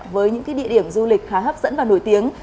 với những địa điểm du lịch khá hấp dẫn và nổi tiếng